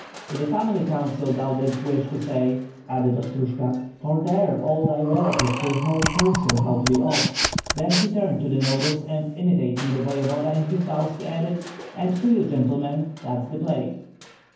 "To the family council thou didst wish to say, Krysh," added Ostrojka; "for there all thy relatives will hold council how to be off." Then he turned to the nobles and imitating the voevoda in his bows, he added, "And to you, gentlemen, that's the play."